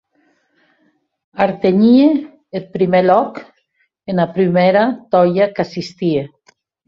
Artenhie eth milhor lòc ena prumèra tòia qu’assistie!